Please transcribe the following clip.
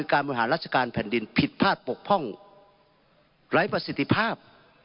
คือการบริหารราชการแผ่นดินผิดพลาดปกพ่องหลายประสิทธิภาพ